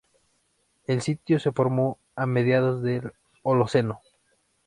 El sitio se formó a mediados del Holoceno.